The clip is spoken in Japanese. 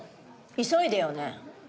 急いでよね。